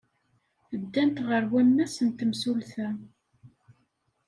Ddant ɣer wammas n temsulta.